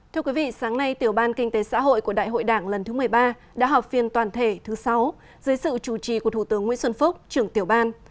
thưa quý vị sáng nay tiểu ban kinh tế xã hội của đại hội đảng lần thứ một mươi ba đã họp phiên toàn thể thứ sáu dưới sự chủ trì của thủ tướng nguyễn xuân phúc trưởng tiểu ban